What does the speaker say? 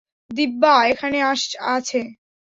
দিব্যা এখানে আছে?